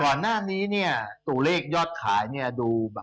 ก่อนหน้านี้เนี่ยตัวเลขยอดขายเนี่ยดูแบบ